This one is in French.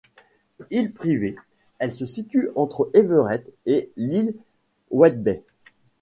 Île privée, elle se situe entre Everett et l'île Whidbey.